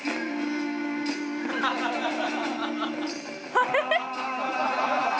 ハハハ！